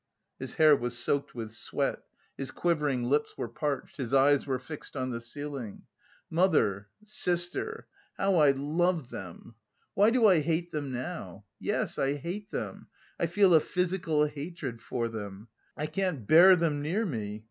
His hair was soaked with sweat, his quivering lips were parched, his eyes were fixed on the ceiling. "Mother, sister how I loved them! Why do I hate them now? Yes, I hate them, I feel a physical hatred for them, I can't bear them near me....